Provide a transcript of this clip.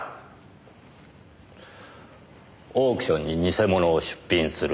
オークションに偽物を出品する。